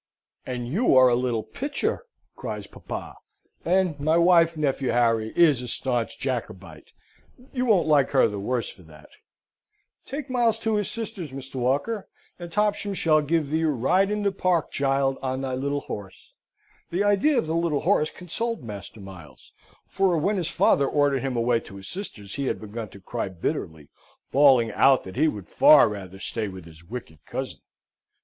"And you are a little pitcher," cries papa: "and my wife, nephew Harry, is a staunch Jacobite you won't like her the worse for that. Take Miles to his sisters, Mr. Walker, and Topsham shall give thee a ride in the park, child, on thy little horse." The idea of the little horse consoled Master Miles; for, when his father ordered him away to his sisters, he had begun to cry bitterly, bawling out that he would far rather stay with his wicked cousin.